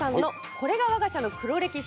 「これがわが社の黒歴史」